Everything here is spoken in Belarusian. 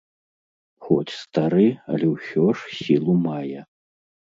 Хоць стары, але ўсё ж сілу мае.